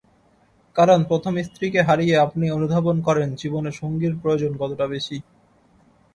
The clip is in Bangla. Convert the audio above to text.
কারণ, প্রথম স্ত্রীকে হারিয়ে আপনি অনুধাবন করেন জীবনে সঙ্গীর প্রয়োজন কতটা বেশি।